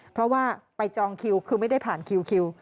เพราะว่าไปจองคิวคือไม่ได้ผ่านคิว